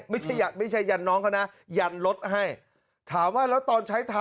ไม่ใช่ยันน้องเขานะยันรถให้ถามว่าแล้วตอนใช้เท้ายันเนี่ย